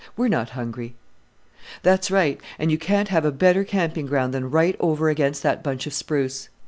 We're not hungry." "That's right; and you can't have a better camping ground than right over against that bunch of spruce."